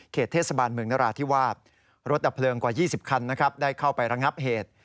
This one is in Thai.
เทศบาลเมืองนราธิวาสรถดับเพลิงกว่า๒๐คันนะครับได้เข้าไประงับเหตุ